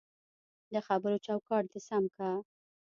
دخبرو چوکاټ دی سم که